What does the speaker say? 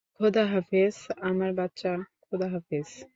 খোদা হাফেজ, আমার বাচ্চা, খোদা হাফেজ!